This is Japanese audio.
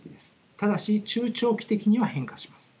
ただし中長期的には変化します。